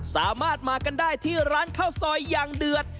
สามารถมากันได้ที่ร้านข้าวซอยอย่างเดือด